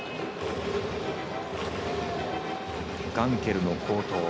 ガンケルの好投。